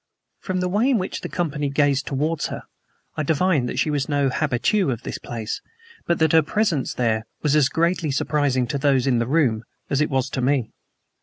From the way in which the company gazed towards her, I divined that she was no habitue of the place, but that her presence there was as greatly surprising to those in the room as it was to me.